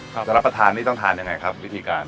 จะรับประทานนี่ต้องทานยังไงครับวิธีการ